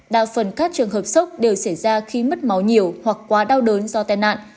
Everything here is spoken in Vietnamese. đa phần các trường hợp sốc đều xảy ra khi mất máu nhiều hoặc quá đau đớn do tai nạn